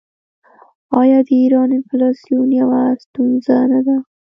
آیا د ایران انفلاسیون یوه ستونزه نه ده؟